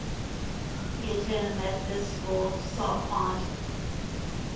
He attended Methodist School Saltpond.